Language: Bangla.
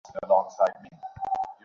তাও সম্ভব হয় নি ওসমান সাহেবের জন্যে।